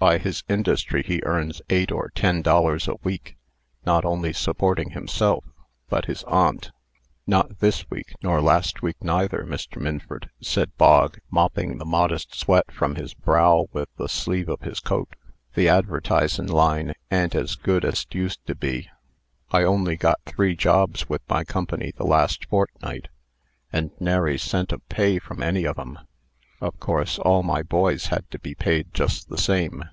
By his industry, he earns eight or ten dollars a week, not only supporting himself, but his aunt." "Not this week, nor last week neither, Mr. Minford," said Bog, mopping the modest sweat from his brow with the sleeve of his coat. "The adv'tisin' line a'n't as good as't used to be. I only got three jobs with my company the last fortnight, and nary cent of pay from any of 'em. Of course, all my boys had to be paid just the same."